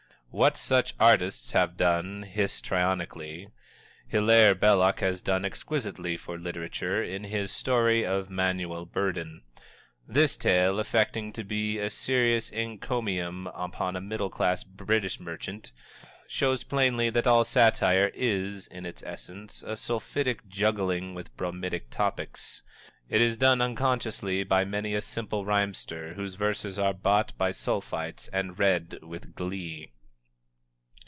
What such artists have done histrionically, Hillaire Belloc has done exquisitely for literature in his "Story of Manuel Burden." This tale, affecting to be a serious encomium upon a middle class British merchant, shows plainly that all satire is, in its essence, a sulphitic juggling with bromidic topics. It is done unconsciously by many a simple rhymester whose verses are bought by Sulphites and read with glee.